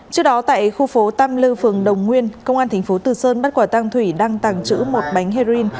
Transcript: trước đó tại khu phố tam lư phường đồng nguyên công an tp từ sơn bắt quả tăng thủy đăng tàng trữ một bánh heroin